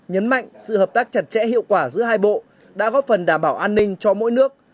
nhấn mạnh sự hợp tác chặt chẽ hiệu quả giữa hai bộ đã góp phần đảm bảo an ninh cho mỗi nước